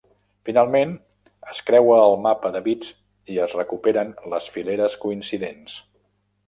Finalment, es creua el mapa de bits i es recuperen les fileres coincidents.